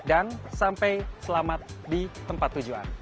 dan sampai selamat di tempat tujuan